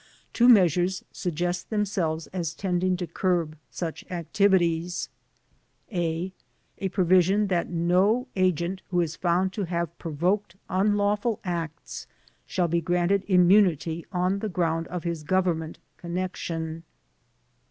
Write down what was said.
Two measures suggest themselves as tending to curb such activities. a. A provision that no agent who is found to have 8 THE DEPORTATION CASES provoked unlawful acts shall be granted immunity on the ground of his Government connection.